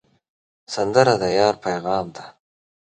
سندره د یار پیغام دی